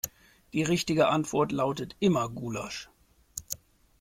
Die richtige Antwort lautet immer Gulasch.